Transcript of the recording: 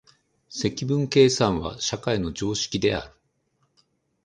積分計算は社会の常識である。